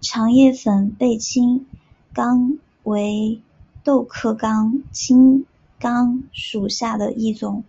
长叶粉背青冈为壳斗科青冈属下的一个种。